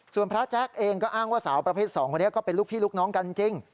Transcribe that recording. ส่วนพระแจ๊กเองก็อ้างว่าสาวประเภท๒คนนี้ก็เป็นลูกพี่ลูกน้องกันจริง